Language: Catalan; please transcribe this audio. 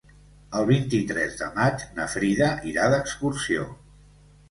El vint-i-tres de maig na Frida irà d'excursió.